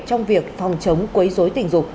trong việc phòng chống quấy rối tình dục